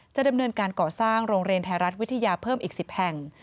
จะดำเนินการก่อสร้างโรงเรียนไทยรัฐวิทยาเพิ่มอีก๑๐แห่ง